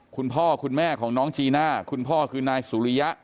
คุณพ่อคุณแม่ของน้องจีน่าคุณพ่อคือนายสุริยะ